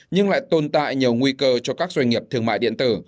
nhưng lại tồn tại nhiều nguy cơ cho các doanh nghiệp thương mại điện tử